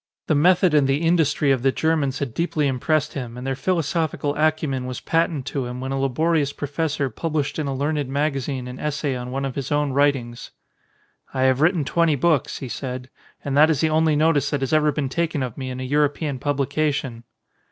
The method and the industry of the Ger 151 ON A CHINESE SCBEEN mans had deeply impressed him and their philo i sophical acumen was patent to him when a labori ous professor published in a learned magazine an essay on one of his own writings. "I have written twenty books," he said. "And that is the only notice that has ever been taken of me in a European publication."